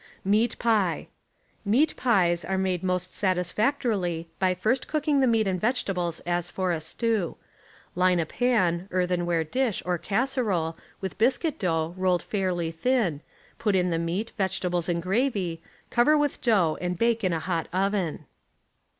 MEAT PIE — Meat pies are made most satisfactorily by first cooking the meat and vegetables as for a stew. Line a pan, earthenware dish, or casserole with biscuit dough rolled fairly thin, put in the meat, vegetables and gravy, cover with dough and bake in a hot oven.